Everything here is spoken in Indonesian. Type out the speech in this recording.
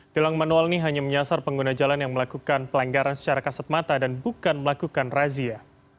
tilang manual ini hanya menyasar pengguna jalan yang melakukan pelanggaran secara kasat mata dan bukan melakukan razia